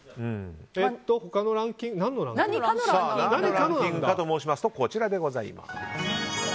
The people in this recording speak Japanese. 何のランキングかと申しますと、こちらです。